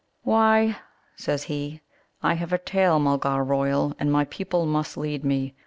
"Why," says he, "I have a tail, Mulgar royal; and my people must lead me....